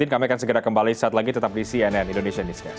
kami akan segera kembali saat lagi tetap di cnn indonesia newscast